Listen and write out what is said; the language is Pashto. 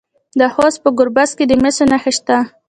د خوست په ګربز کې د مسو نښې شته.